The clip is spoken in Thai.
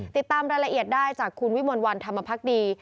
ติดตามรายละเอียดได้จากคุณวิมลวันธรรมพักดี